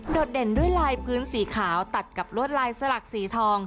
ดเด่นด้วยลายพื้นสีขาวตัดกับลวดลายสลักสีทอง